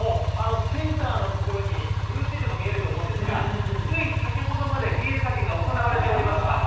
センターの所にブルーシートが見えると思うんですが、つい先ほどまでビールかけが行われておりました。